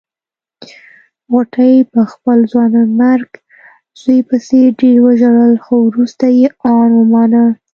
غوټۍ په خپل ځوانيمرګ زوی پسې ډېر وژړل خو روسته يې ان ومانه.